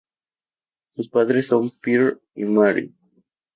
Sus padres son Pierre y Marie.